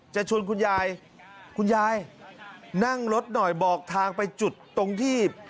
จะชวนคุณยายคุณยายนั่งรถหน่อยบอกทางไปจุดตรงที่